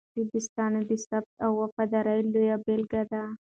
دا داستان د ثبات او وفادارۍ لویه بېلګه ده.